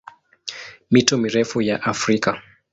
Mito mirefu ya Afrika